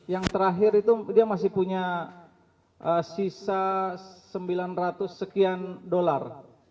yang terakhir itu dia masih punya sisa sembilan ratus sekian dolar